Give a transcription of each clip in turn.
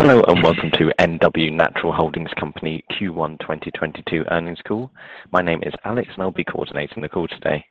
Hello, and welcome to NW Natural Holdings Company Q1 2022 earnings call. My name is Alex, and I'll be coordinating the call today.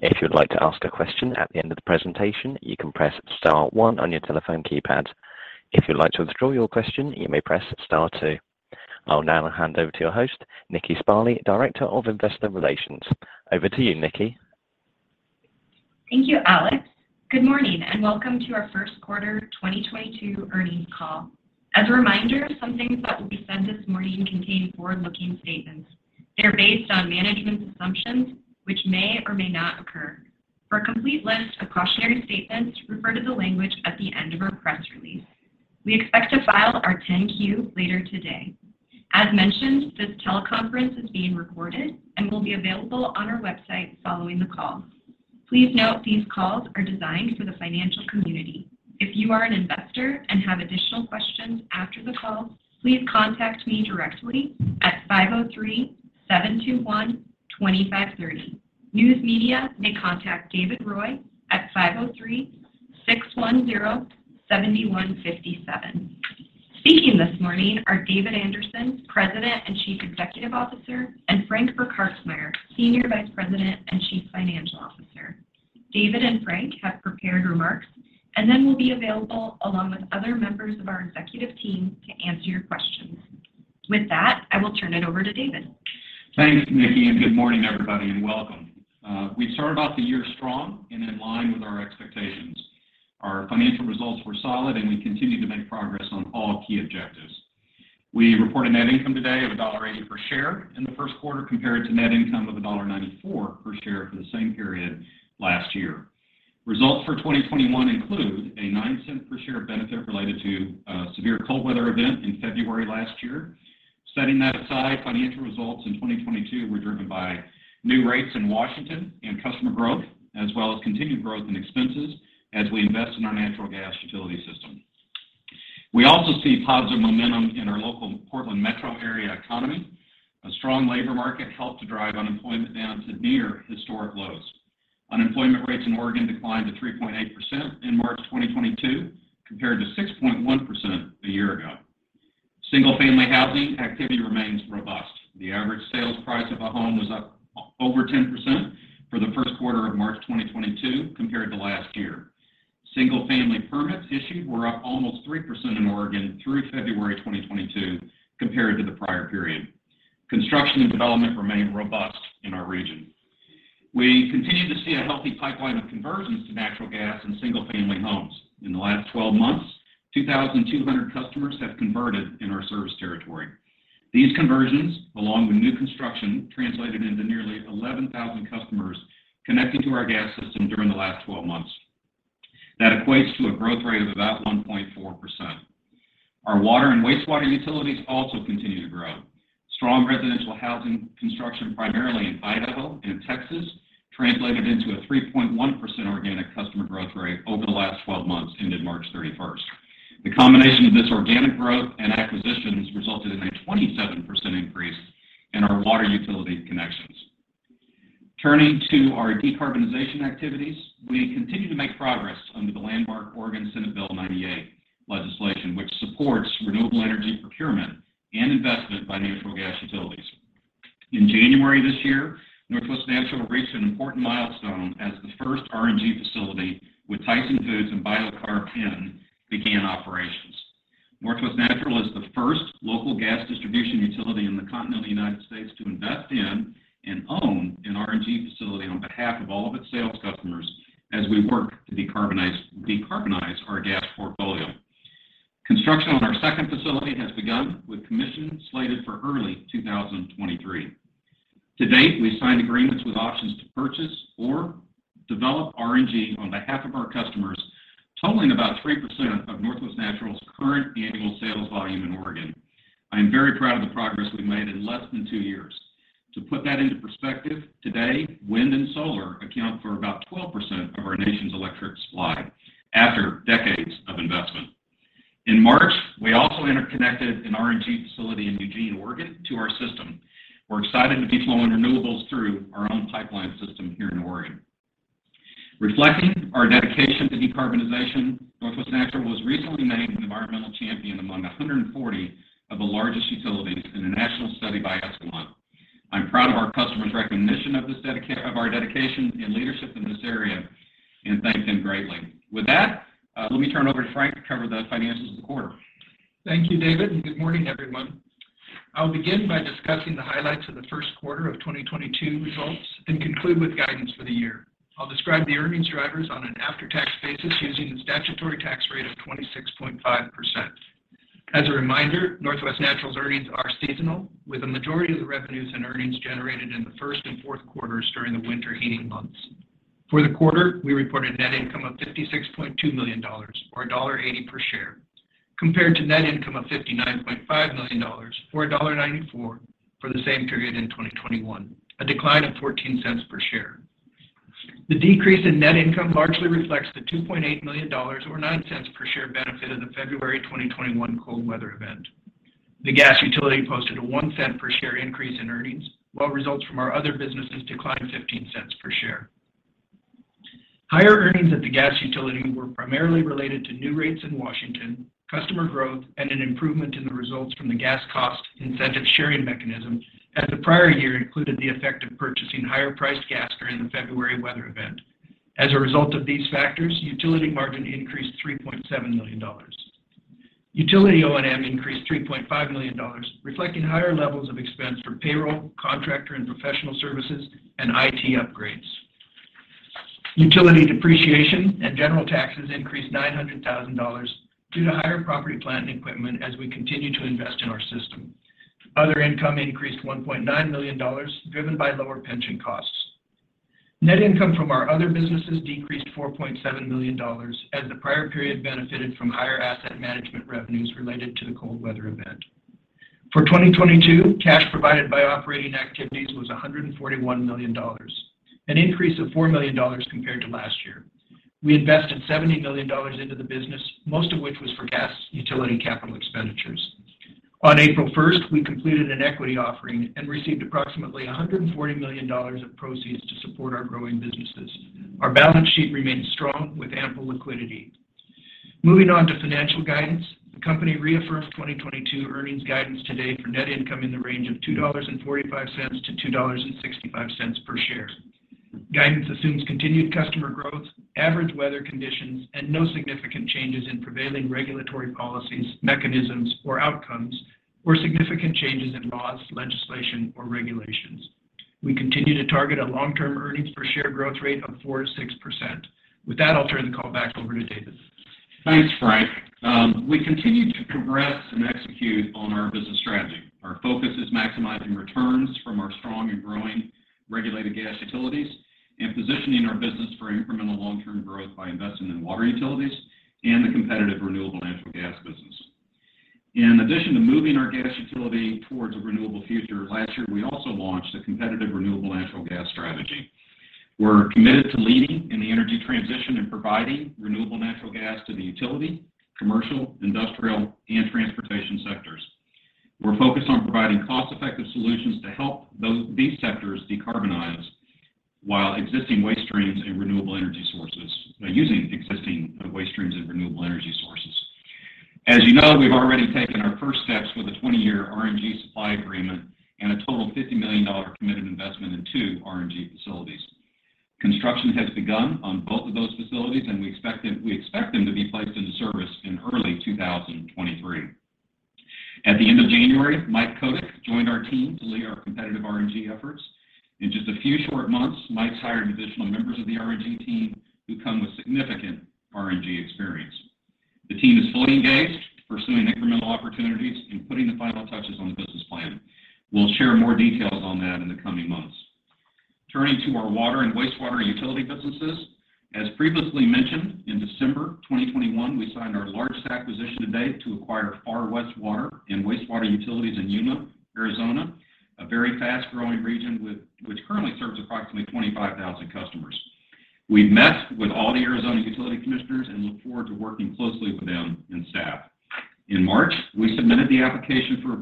If you'd like to ask a question at the end of the presentation, you can press star one on your telephone keypad. If you'd like to withdraw your question, you may press star two. I'll now hand over to your host, Nikki Sparley, Director of Investor Relations. Over to you, Nikki. Thank you, Alex. Good morning, and welcome to our first quarter 2022 earnings call. As a reminder, some things that will be said this morning contain forward-looking statements. They're based on management assumptions which may or may not occur. For a complete list of cautionary statements, refer to the language at the end of our press release. We expect to file our 10-Q later today. As mentioned, this teleconference is being recorded and will be available on our website following the call. Please note these calls are designed for the financial community. If you are an investor and have additional questions after the call, please contact me directly at 503-721-2530. News media may contact David Roy at 503-610-7157. Speaking this morning are David Anderson, President and Chief Executive Officer, and Frank Burkhartsmeyer, Senior Vice President and Chief Financial Officer. David and Frank have prepared remarks and then will be available along with other members of our executive team to answer your questions. With that, I will turn it over to David. Thanks, Nikki, and good morning, everybody, and welcome. We've started off the year strong and in line with our expectations. Our financial results were solid, and we continue to make progress on all key objectives. We report a net income today of $1.80 per share in the first quarter, compared to net income of $1.94 per share for the same period last year. Results for 2021 include a $0.09 per share benefit related to a severe cold weather event in February last year. Setting that aside, financial results in 2022 were driven by new rates in Washington and customer growth, as well as continued growth in expenses as we invest in our natural gas utility system. We also see positive momentum in our local Portland metro area economy. A strong labor market helped to drive unemployment down to near historic lows. Unemployment rates in Oregon declined to 3.8% in March 2022, compared to 6.1% a year ago. Single-family housing activity remains robust. The average sales price of a home was up over 10% for the first quarter of March 2022 compared to last year. Single-family permits issued were up almost 3% in Oregon through February 2022 compared to the prior period. Construction and development remain robust in our region. We continue to see a healthy pipeline of conversions to natural gas in single-family homes. In the last 12 months, 2,200 customers have converted in our service territory. These conversions, along with new construction, translated into nearly 11,000 customers connecting to our gas system during the last 12 months. That equates to a growth rate of about 1.4%. Our water and wastewater utilities also continue to grow. Strong residential housing construction, primarily in Idaho and Texas, translated into a 3.1% organic customer growth rate over the last 12 months ended March 31. The combination of this organic growth and acquisitions resulted in a 27% increase in our water utility connections. Turning to our decarbonization activities, we continue to make progress under the landmark Oregon Senate Bill 98 legislation, which supports renewable energy procurement and investment by natural gas utilities. In January this year, Northwest Natural reached an important milestone as the first RNG facility with Tyson Foods and BioCarbN began operations. Northwest Natural is the first local gas distribution utility in the continental United States to invest in and own an RNG facility on behalf of all of its sales customers as we work to decarbonize our gas portfolio. Construction on our second facility has begun with commissioning slated for early 2023. To date, we signed agreements with options to purchase or develop RNG on behalf of our customers, totaling about 3% of Northwest Natural's current annual sales volume in Oregon. I am very proud of the progress we've made in less than two years. To put that into perspective, today, wind and solar account for about 12% of our nation's electric supply after decades of investment. In March, we also interconnected an RNG facility in Eugene, Oregon, to our system. We're excited to be flowing renewables through our own pipeline system here in Oregon. Reflecting our dedication to decarbonization, Northwest Natural was recently named an environmental champion among 140 of the largest utilities in a national study by Escalent. I'm proud of our customers' recognition of our dedication and leadership in this area, and thank them greatly. With that, let me turn over to Frank to cover the finances of the quarter. Thank you, David, and good morning, everyone. I'll begin by discussing the highlights of the first quarter of 2022 results and conclude with guidance for the year. I'll describe the earnings drivers on an after-tax basis using the statutory tax rate of 26.5%. As a reminder, Northwest Natural's earnings are seasonal, with the majority of the revenues and earnings generated in the first and fourth quarters during the winter heating months. For the quarter, we reported net income of $56.2 million or $1.80 per share, compared to net income of $59.5 million or $1.94 for the same period in 2021, a decline of $0.14 per share. The decrease in net income largely reflects the $2.8 million or $0.09 per share benefit of the February 2021 cold weather event. The gas utility posted a $0.01 per share increase in earnings, while results from our other businesses declined $0.15 per share. Higher earnings at the gas utility were primarily related to new rates in Washington, customer growth, and an improvement in the result from the gas cost incentive-sharing mechanism, as the prior year included the effect of purchasing higher-priced gas during the February weather event. As a result of these factors, utility margin increased $3.7 million. Utility O&M increased $3.5 million, reflecting higher levels of expense for payroll, contractor, and professional services and IT upgrades. Utility depreciation and general taxes increased $900,000 due to higher property, plant, and equipment as we continue to invest in our system. Other income increased $1.9 million, driven by lower pension costs. Net income from our other businesses decreased $4.7 million as the prior period benefited from higher asset management revenues related to the cold weather event. For 2022, cash provided by operating activities was $141 million, an increase of $4 million compared to last year. We invested $70 million into the business, most of which was for gas utility capital expenditures. On April 1, we completed an equity offering and received approximately $140 million of proceeds to support our growing businesses. Our balance sheet remains strong with ample liquidity. Moving on to financial guidance. The company reaffirms 2022 earnings guidance today for net income in the range of $2.45-$2.65 per share. Guidance assumes continued customer growth, average weather conditions, and no significant changes in prevailing regulatory policies, mechanisms or outcomes, or significant changes in laws, legislation or regulations. We continue to target a long-term earnings per share growth rate of 4%-6%. With that, I'll turn the call back over to David. Thanks, Frank. We continue to progress and execute on our business strategy. Our focus is maximizing returns from our strong and growing regulated gas utilities and positioning our business for incremental long-term growth by investing in water utilities and the competitive renewable natural gas business. In addition to moving our gas utility towards a renewable future, last year we also launched a competitive renewable natural gas strategy. We're committed to leading in the energy transition and providing renewable natural gas to the utility, commercial, industrial and transportation sectors. We're focused on providing cost-effective solutions to help these sectors decarbonize by using existing waste streams and renewable energy sources. As you know, we've already taken our first steps with a 20-year RNG supply agreement and a total $50 million committed investment in two RNG facilities. Construction has begun on both of those facilities, and we expect them to be placed into service in early 2023. At the end of January, Mike Kotyk joined our team to lead our competitive RNG efforts. In just a few short months, Mike's hired additional members of the RNG team who come with significant RNG experience. The team is fully engaged, pursuing incremental opportunities and putting the final touches on the business plan. We'll share more details on that in the coming months. Turning to our water and wastewater utility businesses. As previously mentioned, in December 2021, we signed our largest acquisition to date to acquire Far West Water and wastewater utilities in Yuma, Arizona, a very fast-growing region which currently serves approximately 25,000 customers. We've met with all the Arizona utility commissioners and look forward to working closely with them and staff. In March, we submitted the application for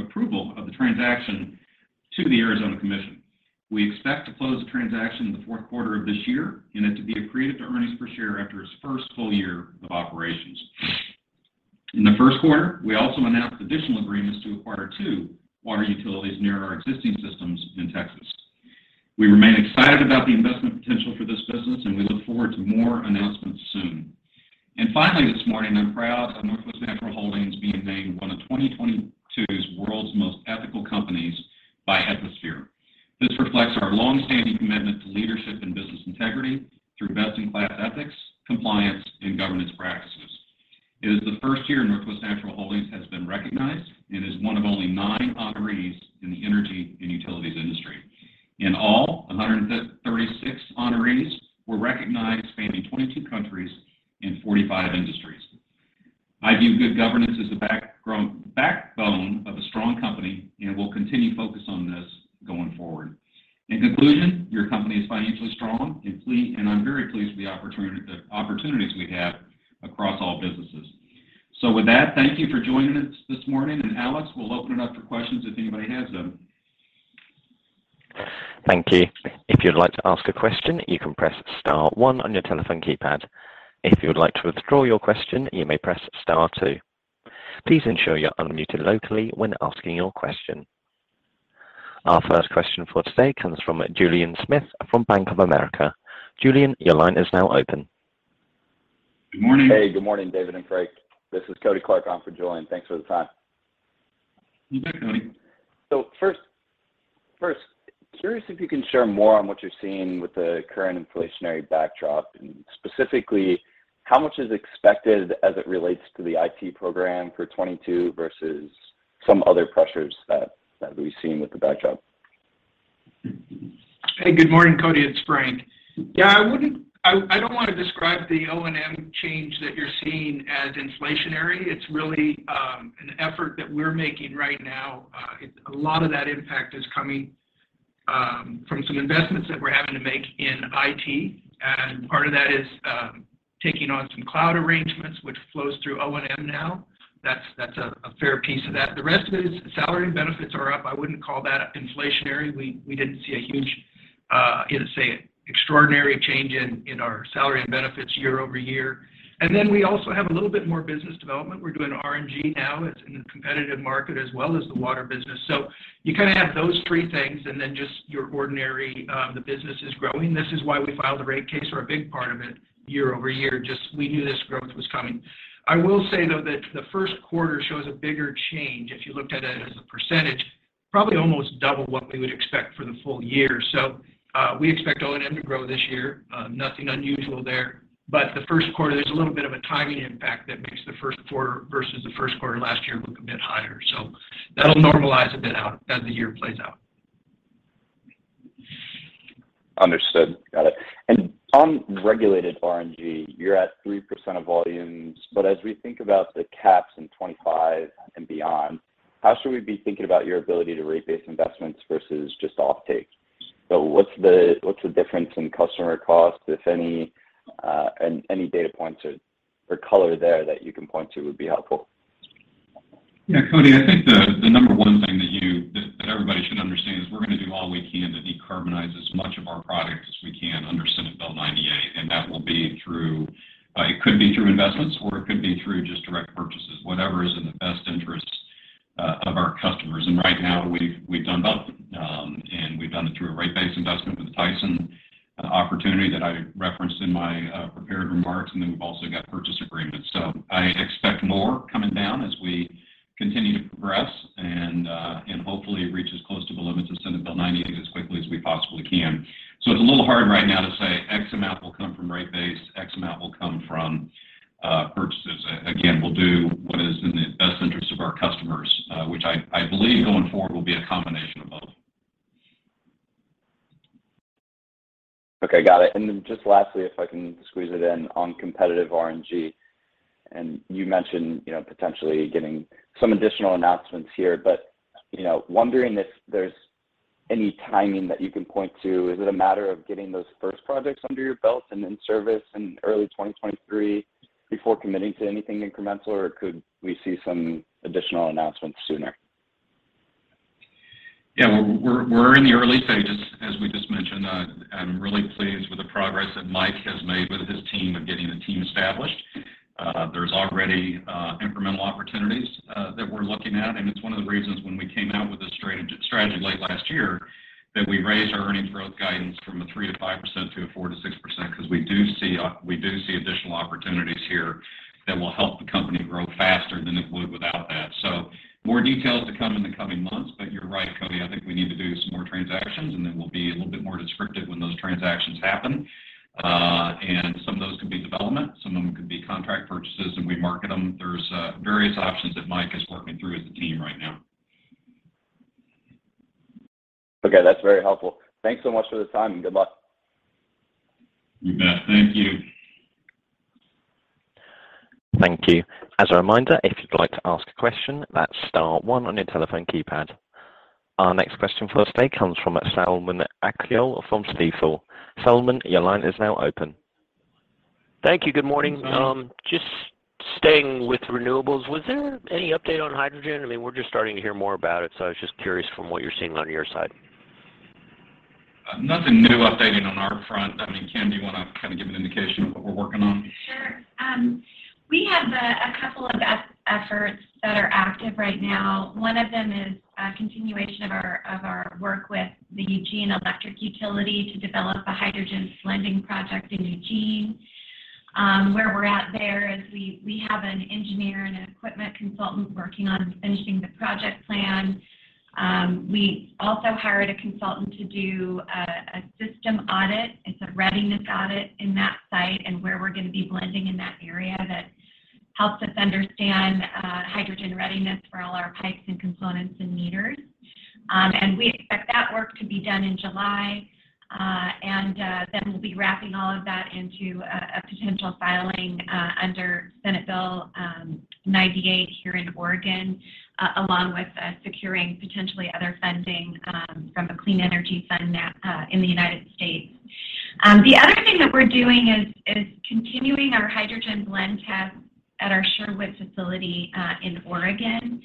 approval of the transaction to the Arizona Commission. We expect to close the transaction in the fourth quarter of this year and it to be accretive to earnings per share after its first full year of operations. In the first quarter, we also announced additional agreements to acquire two water utilities near our existing systems in Texas. We remain excited about the investment potential for this business, and we look forward to more announcements soon. Finally this morning, I'm proud of Northwest Natural Holdings being named one of 2022's World's Most Ethical Companies by Ethisphere. This reflects our long-standing commitment to leadership and business integrity through best-in-class ethics, compliance and governance practices. It is the first year Northwest Natural Holdings has been recognized and is one of only nine honorees in the energy and utilities industry. In all, 136 honorees were recognized, spanning 22 countries and 45 industries. I view good governance as the backbone of a strong company, and we'll continue to focus on this going forward. In conclusion, your company is financially strong and I'm very pleased with the opportunities we have across all businesses. With that, thank you for joining us this morning. Alex, we'll open it up for questions if anybody has them. Thank you. If you'd like to ask a question, you can press star one on your telephone keypad. If you would like to withdraw your question, you may press star two. Please ensure you're unmuted locally when asking your question. Our first question for today comes from Julien Smith from Bank of America. Julien, your line is now open. Hey, good morning, David and Frank. This is Kody Clark on for Julien. Thanks for the time. You bet, Kody. First, curious if you can share more on what you're seeing with the current inflationary backdrop, and specifically how much is expected as it relates to the IT program for 2022 versus some other pressures that we've seen with the backdrop? Hey, good morning, Kody. It's Frank. Yeah, I don't want to describe the O&M change that you're seeing as inflationary. It's really an effort that we're making right now. A lot of that impact is coming from some investments that we're having to make in IT. Part of that is taking on some cloud arrangements, which flows through O&M now. That's a fair piece of that. The rest of it is salary and benefits are up. I wouldn't call that inflationary. We didn't see a huge, you know, say an extraordinary change in our salary and benefits year-over-year. Then we also have a little bit more business development. We're doing RNG now. It's in the competitive market as well as the water business. You kind of have those three things and then just your ordinary, the business is growing. This is why we filed the rate case or a big part of it year-over-year. Just we knew this growth was coming. I will say though, that the first quarter shows a bigger change, if you looked at it as a percentage, probably almost double what we would expect for the full year. We expect O&M to grow this year. Nothing unusual there. The first quarter, there's a little bit of a timing impact that makes the first quarter versus the first quarter last year look a bit higher. That'll normalize a bit out as the year plays out. Understood. Got it. On regulated RNG, you're at 3% of volumes, but as we think about the caps in 2025 and beyond, how should we be thinking about your ability to rate base investments versus just offtake? What's the difference in customer cost, if any, and any data points or color there that you can point to would be helpful. Yeah, Kody, I think the number one thing that everybody should understand is we're gonna do all we can to decarbonize as much of our products as we can under Senate Bill 98, and that will be it could be through investments or it could be through just direct purchases, whatever is in the best interest of our customers. Right now we've done both, and we've done it through a rate base investment with the Tyson opportunity that I referenced in my prepared remarks, and then we've also got purchase agreements. Yeah. We're in the early stages, as we just mentioned. I'm really pleased with the progress that Mike has made with his team of getting the team established. There's already incremental opportunities that we're looking at, and it's one of the reasons when we came out with this strategy late last year that we raised our earnings growth guidance from a 3%-5% to a 4%-6% 'cause we do see additional opportunities here that will help the company grow faster than it would without that. More details to come in the coming months, but you're right, Kody. I think we need to do some more transactions, and then we'll be a little bit more descriptive when those transactions happen. Some of those could be development, some of them could be contract purchases, and we market them. There's various options that Mike is working through with the team right now. Okay. That's very helpful. Thanks so much for the time, and good luck. You bet. Thank you. Thank you. As a reminder, if you'd like to ask a question, that's star one on your telephone keypad. Our next question for today comes from Selman Akyol from Stifel. Selman, your line is now open. Thank you. Good morning. Just staying with renewables, was there any update on hydrogen? I mean, we're just starting to hear more about it, so I was just curious from what you're seeing on your side. Nothing new updating on our front. I mean, Kim, do you wanna kind of give an indication of what we're working on? Sure. We have a couple of efforts that are active right now. One of them is a continuation of our work with the Eugene Electric Utility to develop a hydrogen blending project in Eugene. Where we're at there is we have an engineer and an equipment consultant working on finishing the project plan. We also hired a consultant to do a system audit. It's a readiness audit in that site and where we're gonna be blending in that area that helps us understand hydrogen readiness for all our pipes and components and meters. We expect that work to be done in July, then we'll be wrapping all of that into a potential filing under Senate Bill 98 here in Oregon, along with securing potentially other funding from the Clean Energy Fund in the United States. The other thing that we're doing is continuing our hydrogen blend tests at our Sherwood facility in Oregon.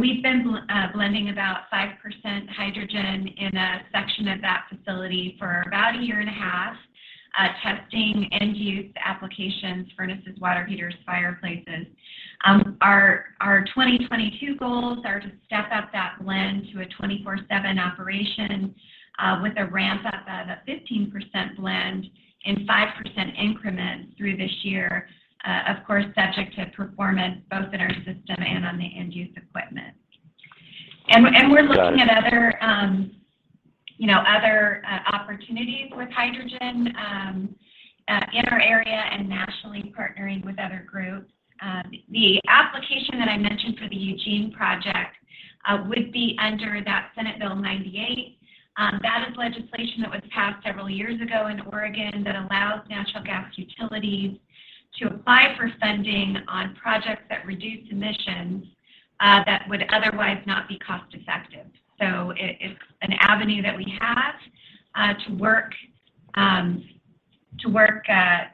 We've been blending about 5% hydrogen in a section of that facility for about a year and a half, testing end use applications, furnaces, water heaters, fireplaces. Our 2022 goals are to step up that blend to a 24/7 operation, with a ramp up of a 15% blend in 5% increments through this year, of course, subject to performance both in our system and on the end use equipment. We're looking at other, you know, other opportunities with hydrogen in our area and nationally partnering with other groups. The application that I mentioned for the Eugene project would be under that Senate Bill 98. That is legislation that was passed several years ago in Oregon that allows natural gas utilities to apply for funding on projects that reduce emissions that would otherwise not be cost effective. It's an avenue that we have to work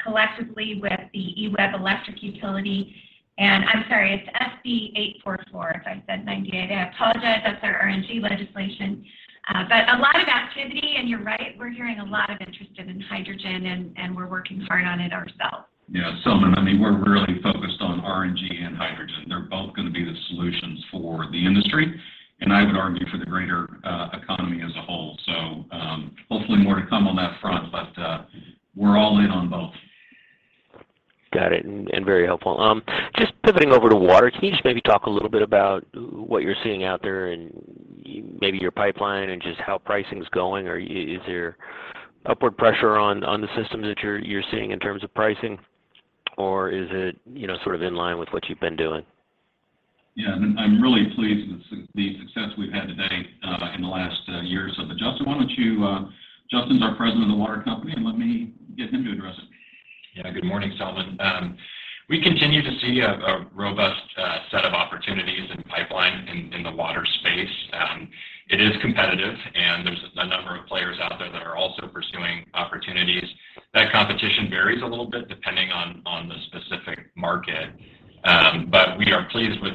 collectively with the EWEB Electric Utility. I'm sorry, it's SB 844, if I said 98. I apologize. That's our RNG legislation. A lot of activity, and you're right, we're hearing a lot of interest in hydrogen and we're working hard on it ourselves. Yeah. Selman, I mean, we're really focused on RNG and hydrogen. They're both gonna be the solutions for the industry, and I would argue for the greater economy as a whole. Hopefully more to come on that front, but, we're all in on both. Got it. Very helpful. Just pivoting over to water, can you just maybe talk a little bit about what you're seeing out there and maybe your pipeline and just how pricing's going? Is there upward pressure on the systems that you're seeing in terms of pricing? Is it, you know, sort of in line with what you've been doing? Yeah. I'm really pleased with the success we've had to date in the last years. Justin, why don't you, Justin's our President of the water company, and let me get him to address it. Yeah. Good morning, Selman. We continue to see a robust set of opportunities in the pipeline in the water space. It is competitive, and there's a number of players out there that are also pursuing opportunities. That competition varies a little bit depending on the specific market. We are pleased with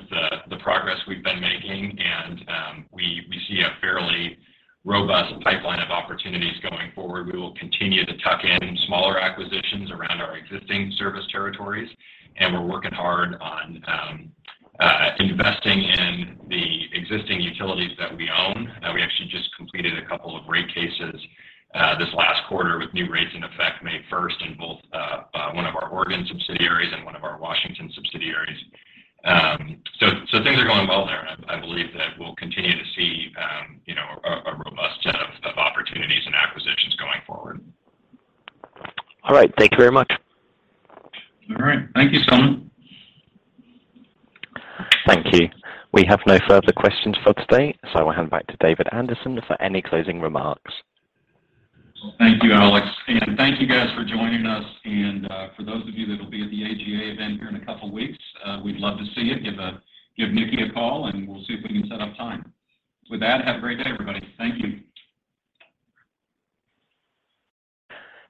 the progress we've been making, and we see a fairly robust pipeline of opportunities going forward. We will continue to tuck in smaller acquisitions around our existing service territories, and we're working hard on investing in the existing utilities that we own. We actually just completed a couple of rate cases this last quarter with new rates in effect May 1st in both, one of our Oregon subsidiaries and one of our Washington subsidiaries. Things are going well there, and I believe that we'll continue to see, you know, a robust set of opportunities and acquisitions going forward. All right. Thank you very much. All right. Thank you, Selman. Thank you. We have no further questions for today, so I'll hand back to David Anderson for any closing remarks. Thank you, Alex. Thank you guys for joining us. For those of you that'll be at the AGA event here in a couple weeks, we'd love to see you. Give Nikki a call, and we'll see if we can set up time. With that, have a great day, everybody. Thank you.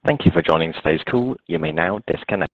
Thank you for joining today's call. You may now disconnect.